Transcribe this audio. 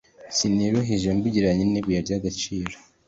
siniruhije mbugereranya n'ibuye ry'agaciro